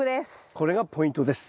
これがポイントです。